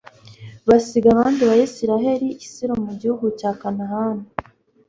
basiga abandi bayisraheli i silo mu gihugu cya kanahani